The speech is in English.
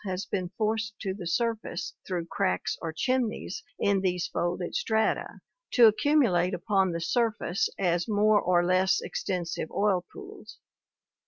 . has been forced to the surface through cracks or chimneys in these folded strata to accumulate upon the surface as more or less ex tensive oil pools.